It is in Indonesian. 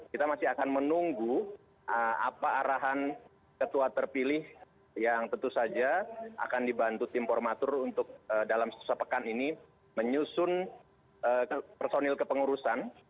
kita masih akan menunggu apa arahan ketua terpilih yang tentu saja akan dibantu tim formatur untuk dalam sepekan ini menyusun personil kepengurusan